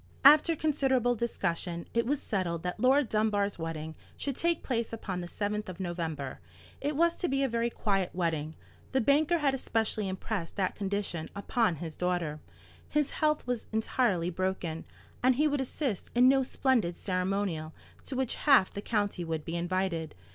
After considerable discussion, it was settled that Laura Dunbar's wedding should take place upon the 7th of November. It was to be a very quiet wedding. The banker had especially impressed that condition upon his daughter. His health was entirely broken, and he would assist in no splendid ceremonial to which half the county would be invited.